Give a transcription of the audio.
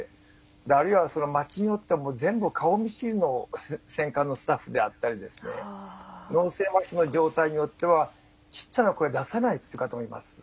あるいは町によっては全部顔見知りの選管のスタッフであったり脳性まひの状態によってはちっちゃな声を出せないっていう方もいます。